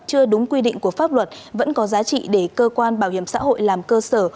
chưa đúng quy định của pháp luật vẫn có giá trị để cơ quan bảo hiểm xã hội làm cơ sở